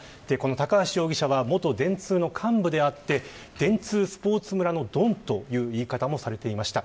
高橋容疑者は元電通の幹部であって電通スポーツ村のドンという言い方もされていました。